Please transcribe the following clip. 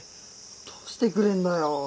どうしてくれんだよ。